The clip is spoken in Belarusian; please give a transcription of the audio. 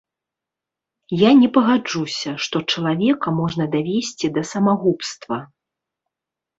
Я не пагаджуся, што чалавека можна давесці да самагубства.